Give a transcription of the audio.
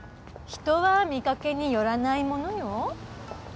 人は見かけによらないか。